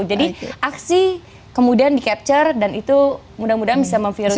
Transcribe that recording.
aksi kemudian di capture dan itu mudah mudahan bisa memvirus